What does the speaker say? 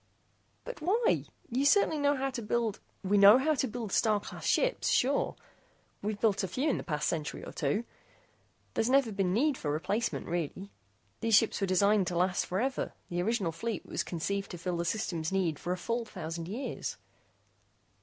"But why? You certainly know how to build " "We know how to build Star Class ships, sure. We've built a few in the past century or two. There's never been need for replacement, really. These ships are designed to last forever. The original fleet was conceived to fill the System's needs for a full thousand years."